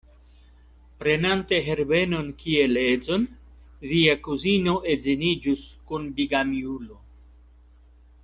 Prenante Herbenon kiel edzon, via kuzino edziniĝus kun bigamiulo.